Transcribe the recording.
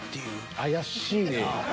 怪しいな。